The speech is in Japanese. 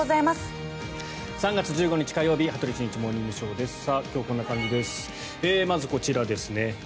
まずこちらですね。